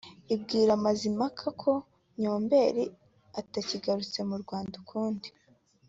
ibwira Mazimpaka ko Nyombeli atakigarutse mu Rwanda ukundi